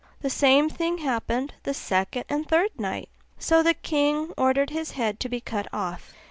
The same thing happened the second and third night: so the king ordered his head to be cut off.